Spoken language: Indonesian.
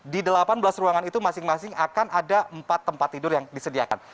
di delapan belas ruangan itu masing masing akan ada empat tempat tidur yang disediakan